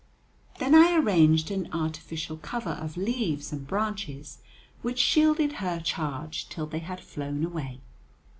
Then I arranged an artificial cover of leaves and branches, which shielded her charge till they had flown away.